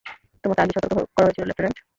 তোমাকে আগেই সতর্ক করা হয়েছিল, লেফটেন্যান্ট।